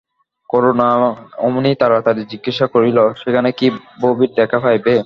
করুণা অমনি তাড়াতাড়ি জিজ্ঞাসা করিল সেখানে কি ভবির দেখা পাইবে!